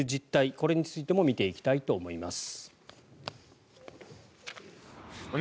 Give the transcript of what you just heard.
これについても見ていきたいと思います。